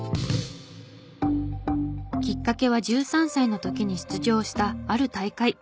きっかけは１３歳の時に出場したある大会。